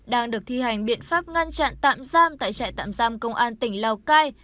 đang được thi hành biện pháp ngăn chặn tạm giam tại trại tạm giam công an tỉnh lào cai